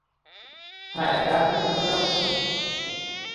হ্যাঁ, এটা আসলে চন্দনের মতো সুঘ্রাণবিশিষ্ট।